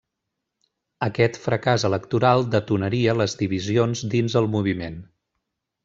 Aquest fracàs electoral detonaria les divisions dins el moviment.